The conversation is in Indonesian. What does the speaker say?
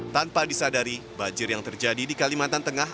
tanpa disadari banjir yang terjadi di kalimantan tengah